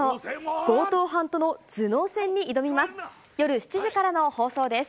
強盗犯との頭脳戦に挑みます。